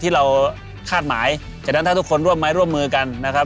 ที่เราคาดหมายฉะนั้นถ้าทุกคนร่วมไม้ร่วมมือกันนะครับ